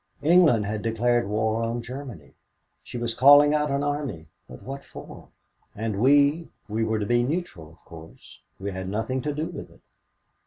England had declared war on Germany. She was calling out an army, but what for? And we we were to be neutral, of course. We had nothing to do with it.